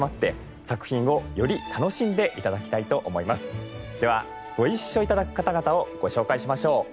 この番組ではではご一緒頂く方々をご紹介しましょう。